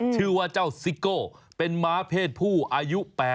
ชื่อว่าเจ้าซิโก้เป็นม้าเพศผู้อายุ๘๐